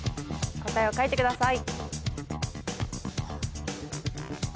答えを書いてください。